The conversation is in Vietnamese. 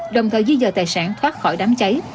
đồng thời dư dờ tài sản thoát khỏi đám cháy